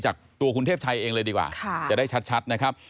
จากตัวคุณเทพชัยเองเลยดีกว่าจะได้ชัดนะครับ